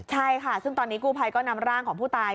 ใช่ค่ะซึ่งตอนนี้กู้ภัยก็นำร่างของผู้ตาย